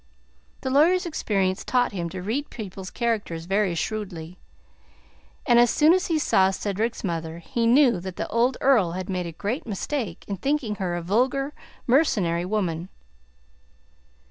The lawyer's experience taught him to read people's characters very shrewdly, and as soon as he saw Cedric's mother he knew that the old Earl had made a great mistake in thinking her a vulgar, mercenary woman.